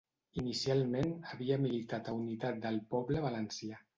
Inicialment havia militat a Unitat del Poble Valencià.